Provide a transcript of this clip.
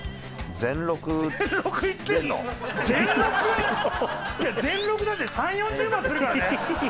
全録なんて３０４０万するからね。